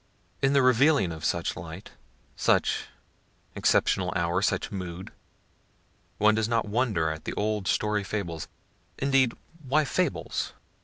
In the revealings of such light, such exceptional hour, such mood, one does not wonder at the old story fables, (indeed, why fables?)